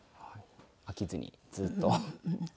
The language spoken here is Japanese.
飽きずにずっと。